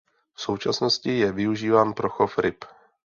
V současnosti je využíván pro chov ryb.